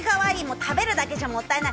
食べるだけじゃもったいない。